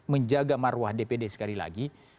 menjaga marwah dpd sekali lagi